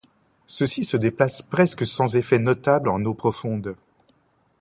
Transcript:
Ceux-ci se déplacent presque sans effet notable en eaux profondes.